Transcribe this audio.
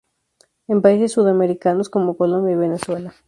En países Sudamericanos como Colombia y Venezuela.